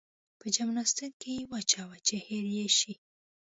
په جمناستيک کې يې واچوه چې هېر يې شي.